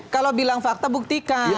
kalau bilang fakta buktikan